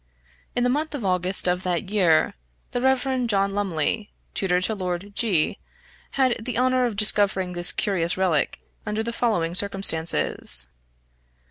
In the month of August of that year, the Rev. John Lumley, tutor to Lord G , had the honor of discovering this curious relic under the following circumstances.